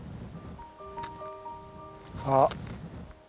あっ。